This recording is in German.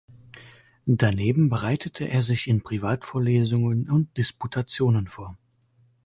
Daneben bereitete er sich in Privatvorlesungen und Disputationen vor.